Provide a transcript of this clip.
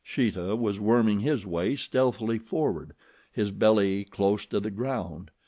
Sheeta was worming his way stealthily forward, his belly close to the ground.